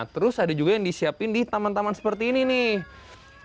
terus ada juga yang disiapin di taman taman seperti ini nih